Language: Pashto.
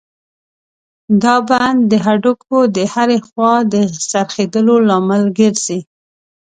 دا بند د هډوکو د هرې خوا د څرخېدلو لامل ګرځي.